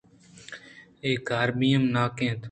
اے کاربیم ناک اِنت